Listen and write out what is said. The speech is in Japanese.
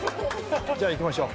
じゃあいきましょう。